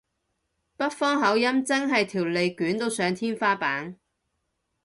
北方口音真係條脷捲到上天花板